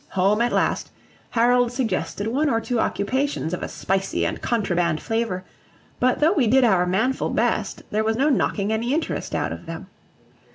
Home at last, Harold suggested one or two occupations of a spicy and contraband flavour, but though we did our manful best there was no knocking any interest out of them.